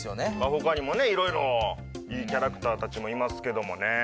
他にもね色々いいキャラクターたちもいますけどもね。